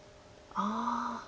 ああ。